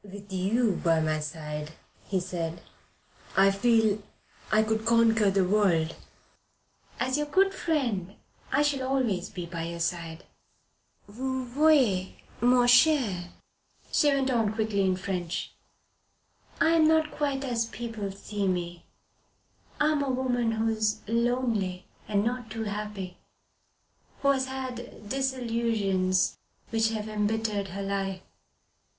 "With you by my side," said he, "I feel I could conquer the earth." "As your good friend I shall always be by your side. Vous voyez, mon cher Paul," she went on quickly in French. "I am not quite as people see me. I am a woman who is lonely and not too happy, who has had disillusions which have embittered her life.